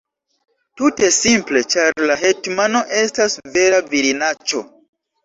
Tute simple, ĉar la hetmano estas vera virinaĉo!